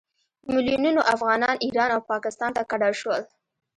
په میلونونو افغانان ایران او پاکستان ته کډه شول.